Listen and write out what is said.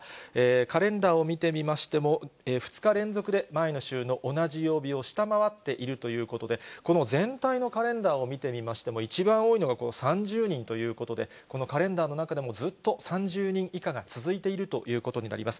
カレンダーを見てみましても、２日連続で前の週の同じ曜日を下回っているということで、この全体のカレンダーを見てみましても、一番多いのがこの３０人ということで、このカレンダーの中でもずっと３０人以下が続いているということになります。